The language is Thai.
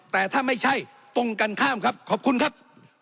แต่ถ้าไม่ใช่ตรงกันข้ามครับขอบคุณครับ